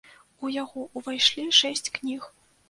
У яго ўвайшлі шэсць кніг.